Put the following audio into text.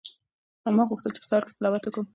ما غوښتل چې په سهار کې تلاوت وکړم.